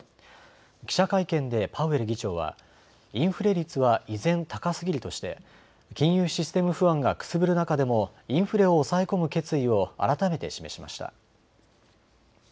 記者会見でパウエル議長はインフレ率は依然、高すぎるとして金融システム不安がくすぶる中でもインフレを抑え込む決意を改めて示しました。